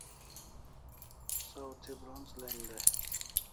Saw thi bronz len dai